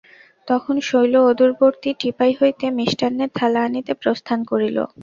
তখন শৈল অদূরবর্তী টিপাই হইতে মিষ্টান্নের থালা আনিতে প্রস্থান করিল।